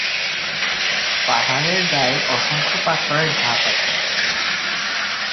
পাহাড়ের গায়ে অসংখ্য পাথরের ধাপ আছে।